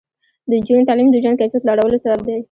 د نجونو تعلیم د ژوند کیفیت لوړولو سبب دی.